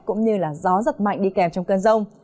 cũng như là gió giật mạnh đi kèm trong cơn rông